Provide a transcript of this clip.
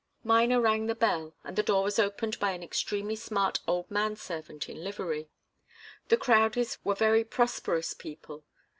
Miner rang the bell, and the door was opened by an extremely smart old man servant in livery. The Crowdies were very prosperous people.